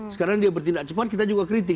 sekarang dia bertindak cepat kita juga kritik